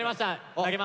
投げます。